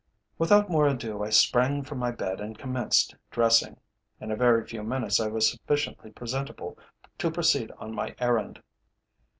"Without more ado I sprang from my bed and commenced dressing. In a very few minutes I was sufficiently presentable to proceed on my errand.